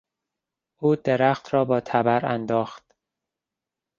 او درخت را با تبر انداخت.